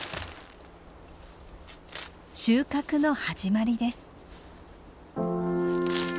収穫の始まりです。